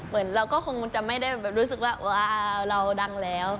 เราก็คงจะไม่ได้รู้สึกว่าเราดังแล้ว